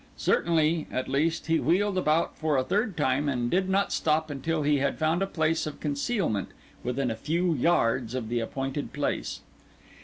Certainly, at least, he wheeled about for a third time, and did not stop until he had found a place of concealment within a few yards of the appointed place.